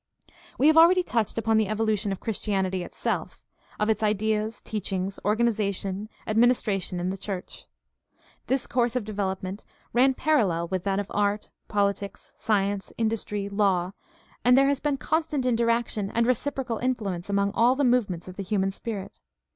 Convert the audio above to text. We have already touched upon the evolution of Chris tianity itself, of its ideas, teachings, organization, adminis tration in the church. This course of development ran parallel with that of art, politics, science, industry, law, and there has been constant interaction and reciprocal influence among all the movements of the human spirit.